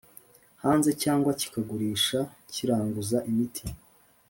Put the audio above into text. hanze cyangwa kikagurisha kiranguza imiti